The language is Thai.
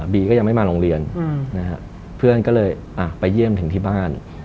ก็ยังไม่มาโรงเรียนเพื่อนก็เลยไปเยี่ยมถึงที่บ้าน